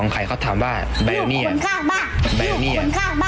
งั้นเอาไปเลยไปไปเลย